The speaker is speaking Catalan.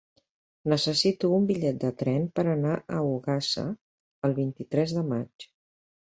Necessito un bitllet de tren per anar a Ogassa el vint-i-tres de maig.